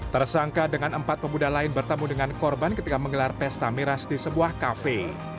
tersangka dengan empat pemuda lain bertemu dengan korban ketika menggelar pesta miras di sebuah kafe